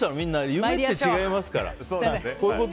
夢って違いますから。